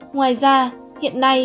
ngoài ra hiện nay